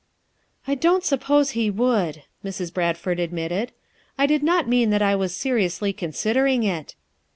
"I don't suppose he would," Mrs. Bradford admitted. "I did not mean that I was se riously considering it."